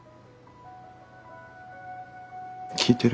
聞いてる？